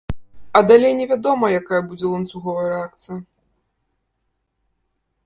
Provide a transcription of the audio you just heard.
А далей невядома, якая будзе ланцуговая рэакцыя.